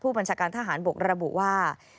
บัญชาการทหารบกระบุว่า